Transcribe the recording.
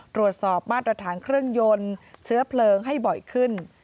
ตรวจสอบมาตรฐานเครื่องยนต์เชื้อเพลิงให้บ่อยขึ้น